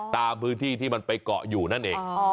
ตามพื้นที่ที่มันไปเกาะอยู่นั่นเอง